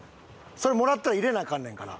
それもらったら入れなアカンねんから。